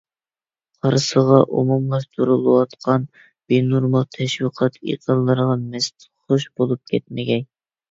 قارىسىغا ئومۇملاشتۇرۇلۇۋاتقان بىنورمال تەشۋىقات ئېقىنلىرىغا مەستخۇش بولۇپ كەتمىگەي.